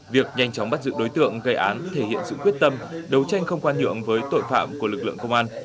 việc nhanh chóng bắt giữ đối tượng gây án thể hiện sự quyết tâm đấu tranh không khoan nhượng với tội phạm của lực lượng công an